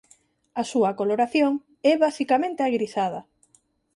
A súa coloración é basicamente agrisada.